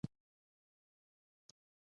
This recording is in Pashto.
چیغې یې وهلې: دا ده د باران ورېځه!